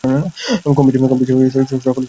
কম-বেশি সকলের মূলধন এতে ছিল।